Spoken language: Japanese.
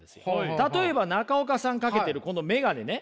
例えば中岡さんかけているこのメガネね。